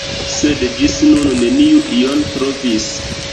Sed ĝis nun neniu ion trovis.